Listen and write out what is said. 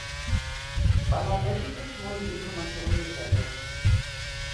Zweimal wöchentlich wurden die Informationen gesendet.